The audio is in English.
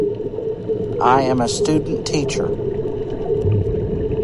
I am a student-teacher.